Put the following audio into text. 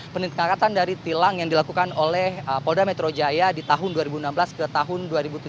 peningkatan dari tilang yang dilakukan oleh polda metro jaya di tahun dua ribu enam belas ke tahun dua ribu tujuh belas